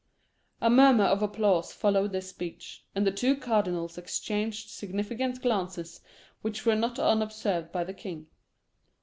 A murmur of applause followed this speech, and the two cardinals exchanged significant glances, which were not unobserved by the king.